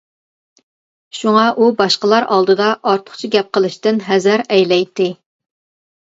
شۇڭا ئۇ باشقىلار ئالدىدا ئارتۇقچە گەپ قىلىشتىن ھەزەر ئەيلەيتتى.